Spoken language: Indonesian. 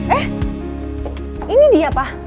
eh ini dia pa